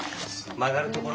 まがるところ？